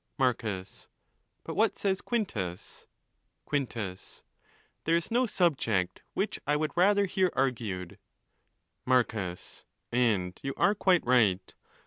Marcus.—But what says Quintus ? Quintus.—There is no subject which I would rather hear argued... , Marcus.—And you are quite right.